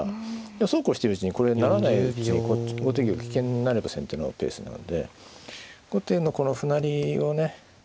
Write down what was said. そうこうしてるうちにこれ成らないうちにこっち後手玉危険になれば先手のペースなので後手のこの歩成りをね。